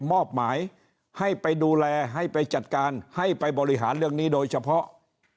มอบหมายให้ไปดูแลให้ไปจัดการให้ไปบริหารเรื่องนี้โดยเฉพาะ